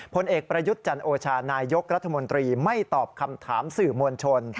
ผลเอกประยุทธ์จันโอชานายกรัฐมนตรีไม่ตอบคำถามสื่อมวลชน